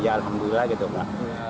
ya alhamdulillah gitu pak